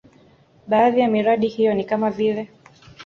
Baadhi ya miradi hiyo ni kama vile